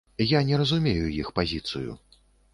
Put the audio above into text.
Я не разумею іх пазіцыю.